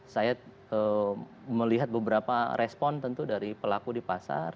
saya melihat beberapa respon tentu dari pelaku di pasar